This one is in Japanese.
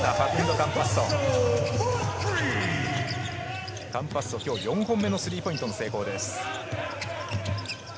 カンパッソ、今日４本目のスリーポイントの成功です。